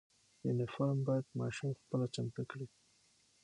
یونیفرم باید ماشوم خپله چمتو کړي.